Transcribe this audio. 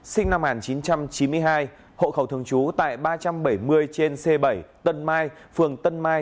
sinh năm một nghìn chín trăm chín mươi hai hộ khẩu thường trú tại ba trăm bảy mươi trên c bảy tân mai phường tân mai